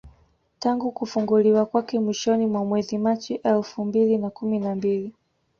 Tangu kufunguliwa kwake mwishoni mwa mwezi Machi elfu mbili na kumi na mbili